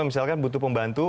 misalkan butuh pembantu